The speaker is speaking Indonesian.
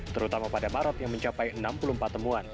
terutama pada maret yang mencapai enam puluh empat temuan